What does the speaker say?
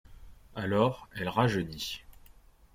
Alors, elle rajeunit.